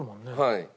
はい。